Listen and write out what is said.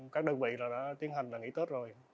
các đơn vị đã tiến hành là nghỉ tết rồi